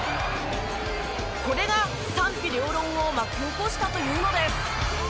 これが賛否両論を巻き起こしたというのです。